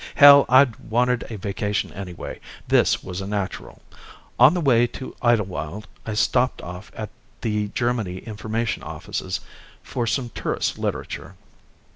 Hell, I'd wanted a vacation anyway, this was a natural. On the way to Idlewild I stopped off at the Germany Information Offices for some tourist literature.